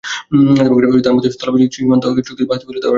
তাঁর মতে, স্থলসীমান্ত চুক্তি বাস্তবায়িত হলে ভারতের কোনো ক্ষতিই হবে না।